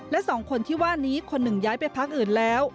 และสองคนที่ว่านี้คนหนึ่งย้ายไปพักอื่นแล้ว